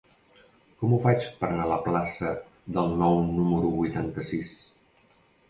Com ho faig per anar a la plaça del Nou número vuitanta-sis?